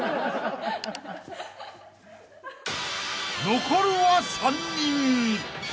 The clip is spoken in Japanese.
［残るは３人］